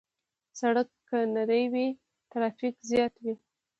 سړک که نری وي، ترافیک زیات وي.